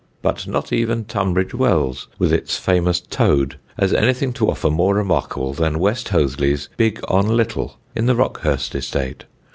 But not even Tunbridge Wells with its famous toad has anything to offer more remarkable than West Hoathly's "Big on Little," in the Rockhurst estate.